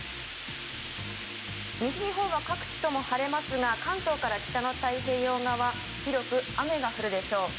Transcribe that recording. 西日本は各地とも晴れますが関東から北の太平洋側は広く雨が降るでしょう。